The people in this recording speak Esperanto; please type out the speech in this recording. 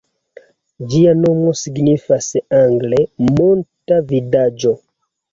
Ĝia nomo signifas angle "monta vidaĵo".